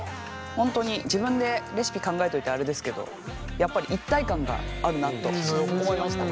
本当に自分でレシピ考えといてあれですけどやっぱり一体感があるなと思いました。